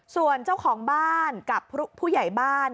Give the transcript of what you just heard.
ส่วนเจ้าของบ้านกับผู้ใหญ่บ้าน